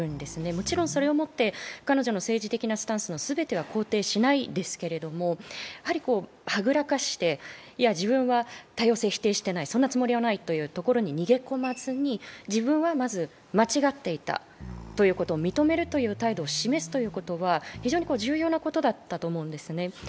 もちろんそれをもって彼女の政治的なスタンスのすべては肯定しないですけれども、はぐらかして、いや、自分は多様性を否定していない、そんなつもりはないということに逃げ込まずに、自分はまず、間違っていたということを認めるという態度を示すということは非常に重要なことだったと思うんですね。